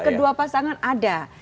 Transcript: di kedua pasangan ada